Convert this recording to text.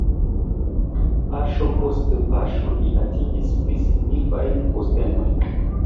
Paŝo post paŝo li atingis pli signifajn postenojn.